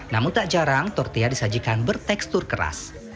namun tak jarang tortilla disajikan bertekstur keras